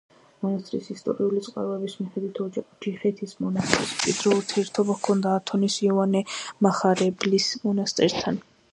მონასტრის ისტორიული წყაროების მიხედვით ჯიხეთის მონასტერს მჭიდრო ურთიერთობა ჰქონდა ათონის იოანე მახარებლის მონასტერთან.